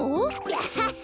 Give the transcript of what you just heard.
アハハ！